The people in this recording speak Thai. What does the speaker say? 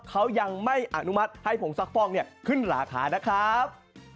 เขายังไม่อนุมัติให้ผงซักฟอกขึ้นราคานะครับ